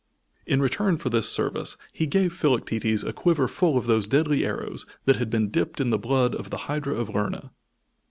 In return for this service he gave Philoctetes a quiver full of those deadly arrows that had been dipped in the blood of the Hydra of Lerna.